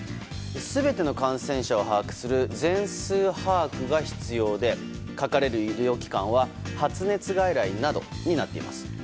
全ての感染者を把握する全数把握が必要でかかれる医療機関は発熱外来などになっています。